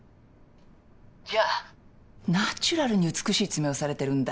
じゃあナチュラルに美しい爪をされてるんだ。